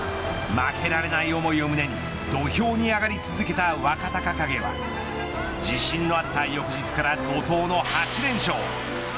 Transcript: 負けられない思いを胸に土俵に上がり続けた若隆景は地震のあった翌日から怒とうの８連勝。